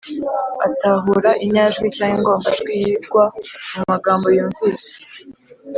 atahura inyajwi cyangwa ingombajwi yigwa mu magambo yumvise;.